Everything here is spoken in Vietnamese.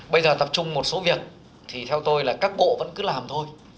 bây giờ tập trung một số việc thì theo tôi là các bộ vẫn cứ làm thôi